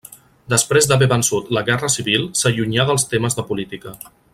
Després d'haver vençut la Guerra Civil s'allunyà dels temes de política.